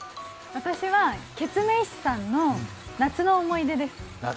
私はケツメイシさんの「夏の思い出」です。